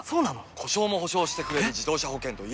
故障も補償してくれる自動車保険といえば？